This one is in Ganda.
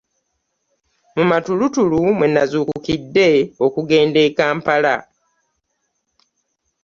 Mu matulutulu mwe nazuukukidde okugenda e Kampala.